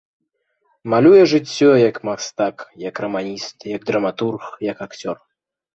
Малюе жыццё, як мастак, як раманіст, як драматург, як акцёр.